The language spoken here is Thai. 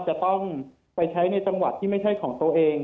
จะต้องไปใช้ในจังหวัดที่ไม่ใช่ของตัวเอง